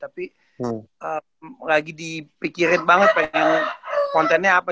tapi lagi dipikirin banget pengen kontennya apa